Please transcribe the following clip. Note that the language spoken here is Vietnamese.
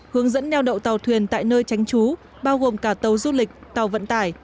hướng dẫn neo đậu tàu thuyền tại nơi tránh trú bao gồm cả tàu du lịch tàu vận tải